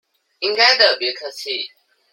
應該的，別客氣！